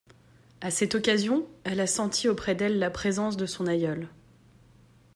A cette occasion, elle a senti auprès d'elle la présence de son aïeul.